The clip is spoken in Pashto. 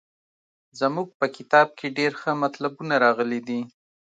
زموږ په کتاب کې ډېر ښه مطلبونه راغلي دي.